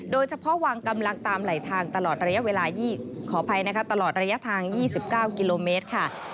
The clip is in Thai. โดยเฉพาะวางกำลังตามไหลทางตลอดระยะทาง๒๙กิโลเมตรค่ะ